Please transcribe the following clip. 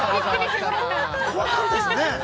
怖かったですよね。